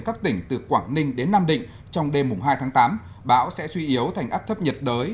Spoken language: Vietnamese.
các tỉnh từ quảng ninh đến nam định trong đêm hai tháng tám bão sẽ suy yếu thành áp thấp nhiệt đới